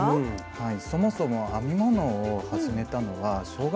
はい。